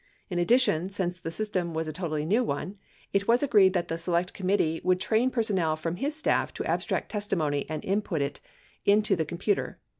In addition, since the system was 1093 a totally new one, It was agreed that the Select Committee would train personnel from his staff to abstract testimony and input it into the computer.